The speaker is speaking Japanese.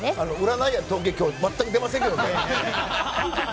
占いや統計は今日、全く出ませんけどね。